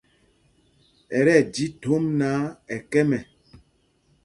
Ɛ tí ɛji thōm náǎ, ɛ kɛ̄m ɛ.